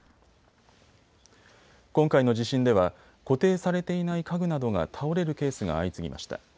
今回の地震では固定されていない家具などが倒れるケースが相次ぎました。